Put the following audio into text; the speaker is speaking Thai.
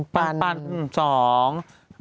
ปันตอนสอง